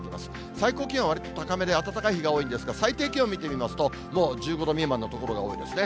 最高気温はわりと高めで、暖かい日が多いんですが、最低気温見てみますと、もう１５度未満の所が多いですね。